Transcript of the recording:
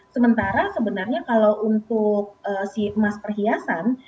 sementara sebenarnya kalau untuk si emas perhiasan